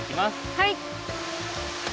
はい。